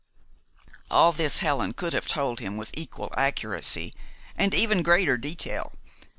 All this Helen could have told him with equal accuracy and even greater detail.